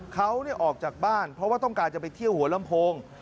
เขาออกจากบ้านเพราะว่าต้องการจะไปเที่ยวหัวลำโพง